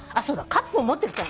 カップも持ってきた。